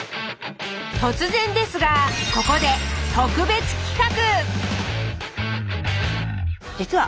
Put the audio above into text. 突然ですがここで特別企画！